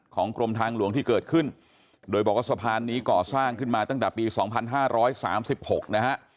กรมทางหลวงที่เกิดขึ้นโดยบอกว่าสะพานนี้ก่อสร้างขึ้นมาตั้งแต่ปี๒๕๓๖นะฮะ